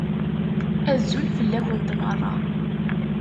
Azul fell-akent meṛṛa.